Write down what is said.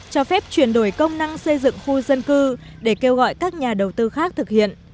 cho phép chuyển đổi công năng xây dựng khu dân cư để kêu gọi các nhà đầu tư khác thực hiện